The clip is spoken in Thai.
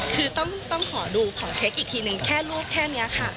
คือต้องขอดูขอเช็คอีกทีนึงแค่รูปแค่นี้ค่ะ